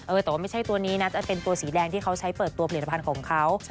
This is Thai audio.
แต่ว่าไม่ใช่ตัวนี้นะจะเป็นตัวสีแดงที่เขาใช้เปิดตัวผลิตภัณฑ์ของเขา